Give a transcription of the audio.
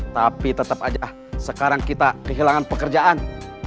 tapi tetap aja sekarang kita kehilangan pekerjaan